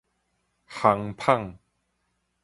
烘麭